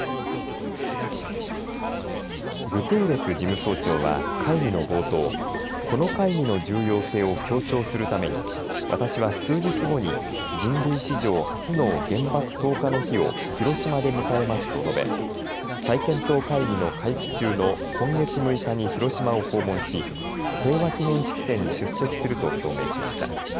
グテーレス事務総長は会議の冒頭この会議の重要性を強調するために私は数日後に人類史上初の原爆投下の日を広島で迎えますと述べ再検討会議の会期中の今月６日に広島を訪問し平和記念式典に出席すると表明しました。